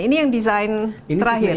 ini yang desain terakhir